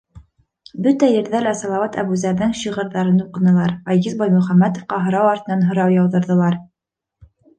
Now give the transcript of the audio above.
Бөтә ерҙә лә Салауат Әбүзәрҙең шиғырҙарын уҡынылар, Айгиз Баймөхәмәтовҡа һорау артынан һорау яуҙырҙылар.